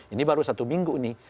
ini baru satu minggu nih